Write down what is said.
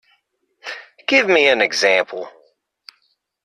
Give me an example